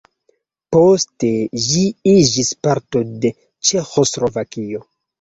Poste ĝi iĝis parto de Ĉeĥoslovakio.